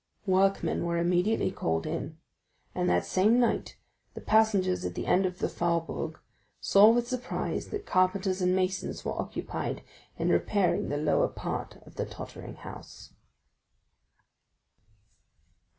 Workmen were immediately called in, and that same night the passengers at the end of the faubourg saw with surprise that carpenters and masons were occupied in repairing the lower part of the tottering house.